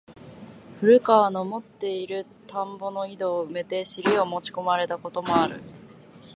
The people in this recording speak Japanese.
古川の持つて居る田圃の井戸を埋めて尻を持ち込まれた事もある。